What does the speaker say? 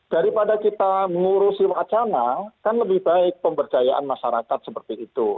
daripada kita mengurusi wacana kan lebih baik pemberdayaan masyarakat seperti itu